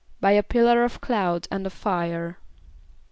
=By a pillar of cloud and of fire.